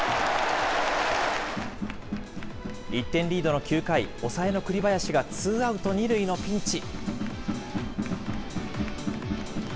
１点リードの９回、抑えの栗林がツーアウト２塁のピンチ。